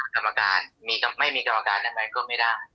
กรรมการไม่มีกรรมการอะไรก็ไม่ได้